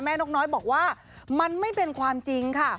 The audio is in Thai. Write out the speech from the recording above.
นกน้อยบอกว่ามันไม่เป็นความจริงค่ะ